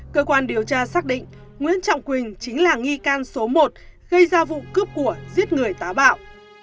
cơ quan điều tra xác định nguyễn trọng quỳnh chính là nghi can số một gây ra vụ cướp của giết người tá bạo